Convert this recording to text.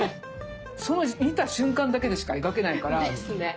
その見た瞬間だけでしか描けないから。ですね。